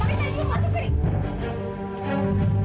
pak rita masuk sini